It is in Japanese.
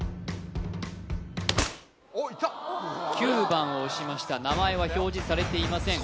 ９番を押しました名前は表示されていません